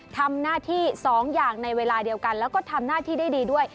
ทำหน้าที่สองอย่างในเวลาเดียวกันแล้วก็ทำหน้าที่ได้ดีด้วย